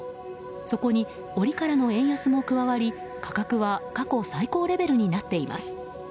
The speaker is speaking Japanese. そこに折からの円安も加わり価格は過去最高レベルになっています。